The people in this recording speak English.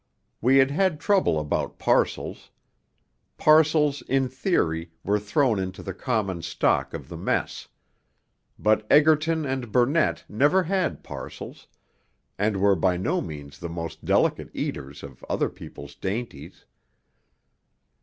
We had had trouble about parcels. Parcels in theory were thrown into the common stock of the mess: but Egerton and Burnett never had parcels, and were by no means the most delicate eaters of other people's dainties.